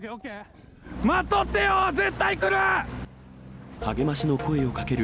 待っとってよ、絶対来る。